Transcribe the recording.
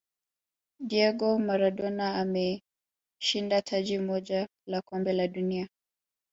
diego maradona ameshinda taji moja la kombe la dunia